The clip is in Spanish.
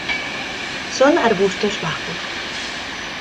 Son arbustos bajos.